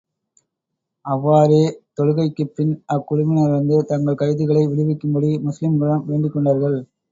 அவ்வாறே, தொழுகைக்குப் பின், அக்குழுவினர் வந்து, தங்கள் கைதிகளை விடுவிக்கும்படி முஸ்லிம்களிடம் வேண்டிக் கொண்டார்கள்.